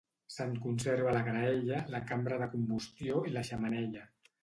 Se'n conserva la graella, la cambra de combustió i la xemeneia.